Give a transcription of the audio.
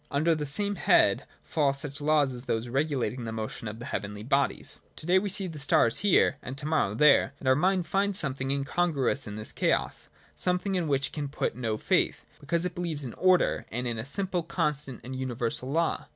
Under the same head fall such laws as those regulating the motion of the heavenly bodies. To day we see the stars here, and to morrow there : and our mind finds something incongruous in this chaos— something in which it can put no faith, be cause it beheves in order and in a simple, constant, and universal law.